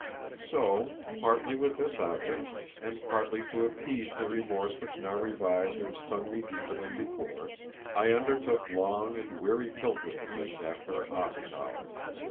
So, partly with this object, and partly to appease the remorse which now revived and stung me deeper than before, I undertook long and weary pilgrimages after office hours.